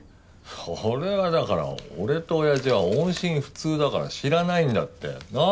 それはだから俺とおやじは音信不通だから知らないんだって。なあ？